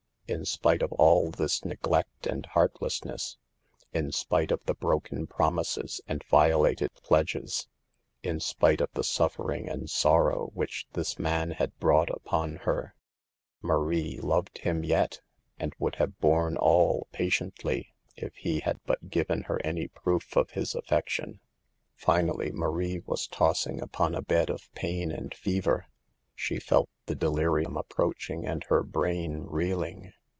In spite of all this neglect and heartlessness, in spite of the broken promises and violated pledges, in spite of the suffering and sorrow which this man had brought upon her, Marie loved him yet, and would have borne all patiently if he had but given her any proof of his affection. Finally Marie was tossing upon a bed of pain and fever. She felt the delirium approach ing and her brain reeling.